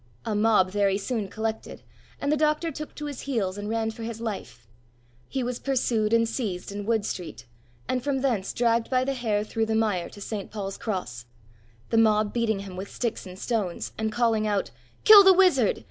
A mob very soon collected, and the doctor took to his heels and ran for his life. He was pursued and seized in Wood Street, and from thence dragged by the hair through the mire to St. Paul's Cross; the mob beating him with sticks and stones, and calling out, "Kill the wizard!